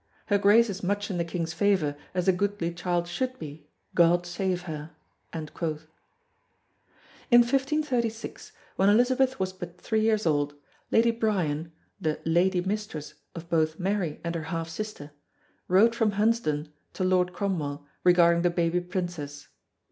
Her Grace is much in the King's favour as a goodly child should be God save her!" In 1536, when Elizabeth was but three years old, Lady Bryan, the "Lady mistress" of both Mary and her half sister, wrote from Hunsdon to Lord Cromwell regarding the baby princess.